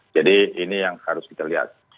jadi ini yang harus kita lihat